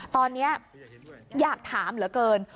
ตอนนี้อยากถามเหลือเกิน